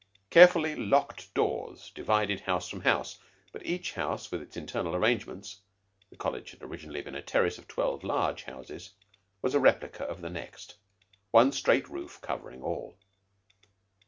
Carefully locked doors divided house from house, but each house, in its internal arrangements the College had originally been a terrace of twelve large houses was a replica of the next; one straight roof covering all.